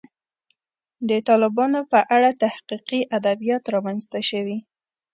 د طالبانو په اړه تحقیقي ادبیات رامنځته شوي.